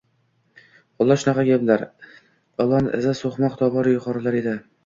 Xullas, shunaqa gaplar… Ilon izi soʼqmoq tobora yuqorilar edi.